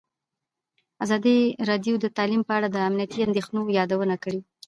ازادي راډیو د تعلیم په اړه د امنیتي اندېښنو یادونه کړې.